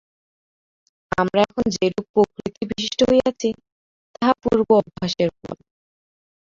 আমরা এখন যেরূপ প্রকৃতিবিশিষ্ট হইয়াছি, তাহা পূর্ব অভ্যাসের ফল।